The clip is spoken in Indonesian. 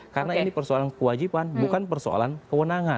karena ini persoalan kewajipan bukan persoalan kewenangan